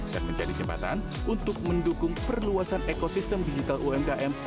dan menjadi jembatan untuk mendukung perluasan ekosistem digital umkm